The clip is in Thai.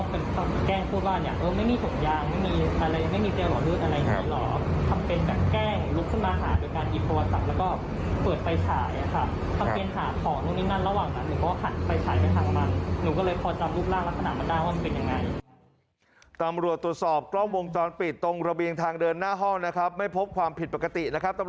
ผลว่ากลับทำเป็นแบบแก้ง